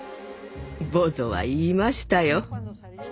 ボゾは言いましたよ。